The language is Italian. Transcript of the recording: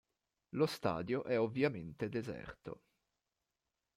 Lo stadio è ovviamente deserto.